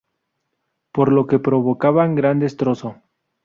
Por lo que provocaban gran destrozo.